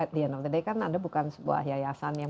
di nltd kan anda bukan sebuah yayasan yang